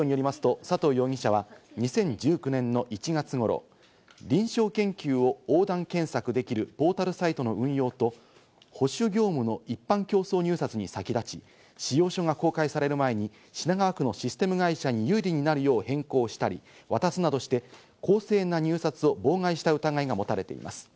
警視庁によりますと、佐藤容疑者は２０１９年の１月頃、臨床研究を横断検索できるポータルサイトの運用と保守業務の一般競争入札に先立ち、仕様書が公開される前に品川区のシステム会社に有利になるよう変更したり、渡すなどして公正な入札を妨害した疑いが持たれています。